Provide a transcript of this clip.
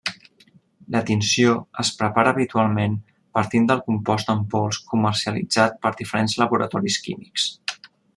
La tinció es prepara habitualment partint del compost en pols comercialitzat per diferents laboratoris químics.